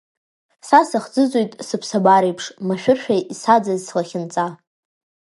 Са сахӡыӡоит сыԥсапареиԥш, машәыршәа исаӡаз слахьынҵа!